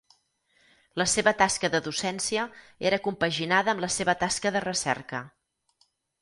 La seva tasca de docència era compaginada amb la seva tasca de recerca.